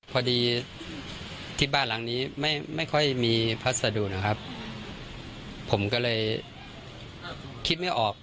พอดีที่บ้านหลังนี้ไม่ค่อยมีพัสดุนะครับผมก็เลยคิดไม่ออก